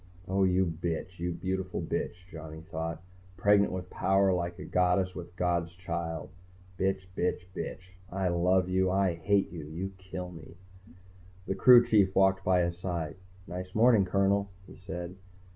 Oh, you bitch! You beautiful bitch, Johnny thought. Pregnant with power like a goddess with a god's child. Bitch, bitch, bitch! I love you. I hate you. You kill me. The crew chief walked by his side. "Nice morning, Colonel," he said.